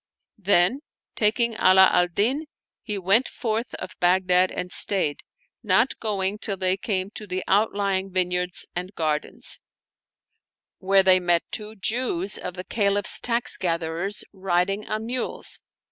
*" Then, taking Ala al Din, he went forth of Baghdad and stayed, not going till they came to the outlying vineyards and gardens, where they met two Jews of the Caliph's tax 146 Cahmity Ahmad and Habzalam Bazazah gatherers, riding on mules.